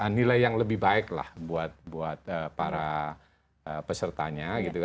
nilai yang lebih baiklah buat para pesertanya